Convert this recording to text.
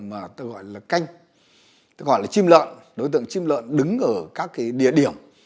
đối tượng đó là cánh gọi là chim lợn đối tượng chim lợn đứng ở các địa điểm